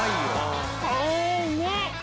あー、うまっ！